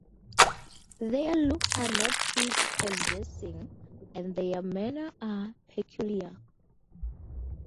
Their looks are not prepossessing, and their manners are peculiar.